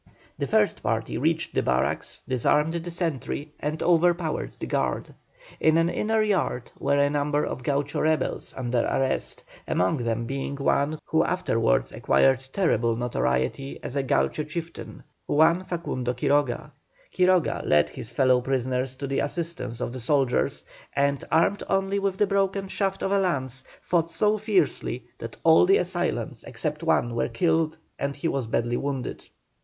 The first party reached the barracks, disarmed the sentry, and overpowered the guard. In an inner yard were a number of Gaucho rebels under arrest, among them being one who afterwards acquired terrible notoriety as a Gaucho chieftain Juan Facundo Quiroga. Quiroga led his fellow prisoners to the assistance of the soldiers, and, armed only with the broken shaft of a lance, fought so fiercely that all the assailants except one were killed, and he was badly wounded.